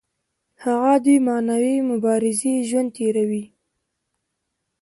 هغه د معنوي مبارزې ژوند تیروي.